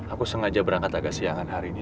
aku sengaja berangkat agak siangan hari ini